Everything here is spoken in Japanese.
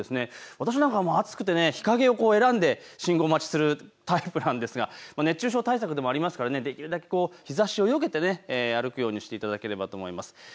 私なんか暑くて日陰を選んで信号待ちするタイプなんですが熱中症対策でもありますからできるだけ日ざしをよけて歩くようにしていただければと思います。